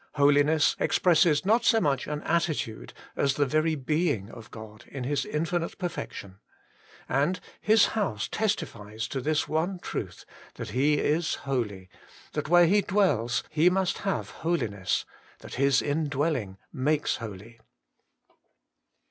Holiness expresses not so much an attribute as the very being of God in His infinite perfection, and His house testifies to this one truth, that He is holy, that where He dwells He must have holiness, that His indwelling makes holy.